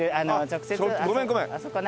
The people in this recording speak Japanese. ごめんごめん。